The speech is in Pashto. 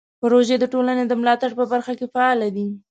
پروژه د ټولنې د ملاتړ په برخه کې فعال دی.